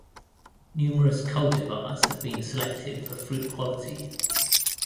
Numerous cultivars have been selected for fruit quality.